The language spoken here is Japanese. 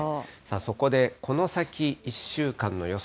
そこでこの先１週間の予想